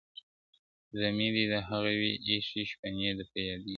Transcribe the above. رمې دي د هغه وې اې شپنې د فريادي وې,